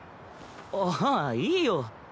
ああいいよ。